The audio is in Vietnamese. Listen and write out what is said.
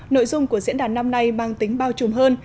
nội dung của diễn đàn năm nay mang tính bao trùm hơn